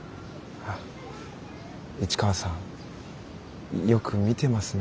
市川さんよく見てますね。